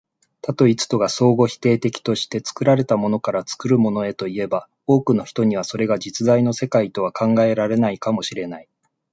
多と一とが相互否定的として、作られたものから作るものへといえば、多くの人にはそれが実在の世界とは考えられないかも知れない。